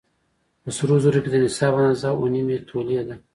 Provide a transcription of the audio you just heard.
په سرو زرو کې د نصاب اندازه اووه نيمې تولې ده